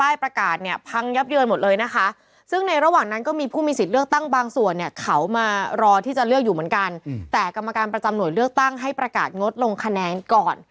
แต่กรรมแต่กรรมการประจำหน่วยเลือกตั้งให้ประกาศงดลงคะแนนก่อน